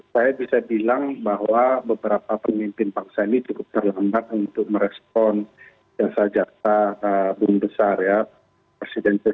saya bisa bilang bahwa beberapa pemimpin bangsa ini cukup terlambat untuk merespon jasa jasa bom besar ya